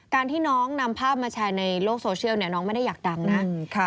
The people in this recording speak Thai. ที่น้องนำภาพมาแชร์ในโลกโซเชียลน้องไม่ได้อยากดังนะ